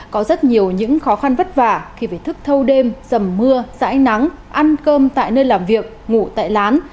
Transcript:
có rất nhiều những khó khăn vất vả khi phải thức thâu đêm dầm mưa dãi nắng ăn cơm tại nơi làm việc ngủ tại lán